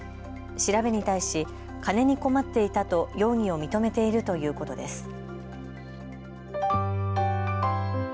調べに対し金に困っていたと容疑を認めているということです。